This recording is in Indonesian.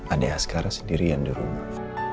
adik asgara sendiri yang di rumah